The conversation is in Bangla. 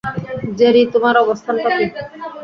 জেরি, তোমার অবস্থানটা কী?